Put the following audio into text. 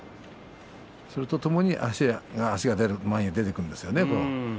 それとともに足が出る前に出てくるんですよね。